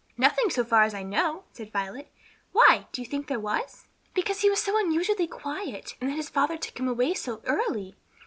"Nothing, so far as I know," said Violet "Why do you think there was?" "Because he was so unusually quiet; and then his father took him away so early.